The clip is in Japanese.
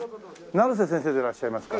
成瀬先生でいらっしゃいますか？